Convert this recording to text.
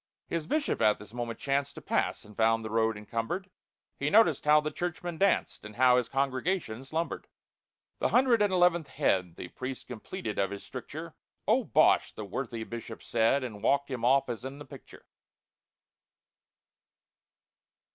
His Bishop at this moment chanced To pass, and found the road encumbered; He noticed how the Churchman danced, And how his congregation slumbered. The hundred and eleventh head The priest completed of his stricture; "Oh, bosh!" the worthy Bishop said, And walked him off as in the picture.